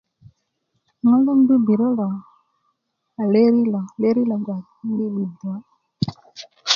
ŋo' loŋ nu bibiryö lo a löri lo löri loŋ un wowogu wa'